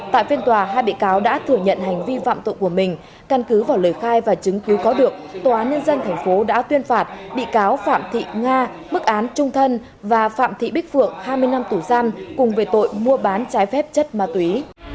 tại phiên tòa hai bị cáo đã thừa nhận hành vi phạm tội của mình căn cứ vào lời khai và chứng cứ có được tòa án nhân dân tp đã tuyên phạt bị cáo phạm thị nga mức án trung thân và phạm thị bích phượng hai mươi năm tù giam cùng về tội mua bán trái phép chất ma túy